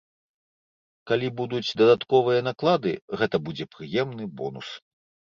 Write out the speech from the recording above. Калі будуць дадатковыя наклады, гэта будзе прыемны бонус.